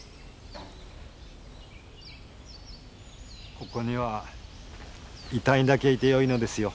ここにはいたいだけいてよいのですよ。